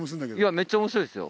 めっちゃ面白いっすよ。